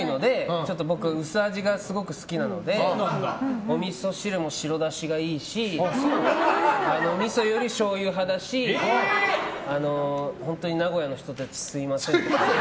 ちょっと僕薄味がすごく好きなのでおみそ汁も白だしがいいしみそより、しょうゆ派だし本当に名古屋の人たちすみません。